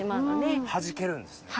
はじけるんですね。